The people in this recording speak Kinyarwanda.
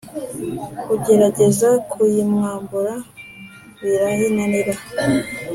ugerageza kuyimwambura birayinara